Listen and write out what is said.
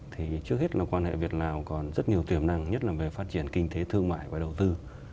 thì trước hết là quan hệ việt lào còn rất nhiều tiềm năng nhất là về phát triển kinh tế thương mại và đầu tư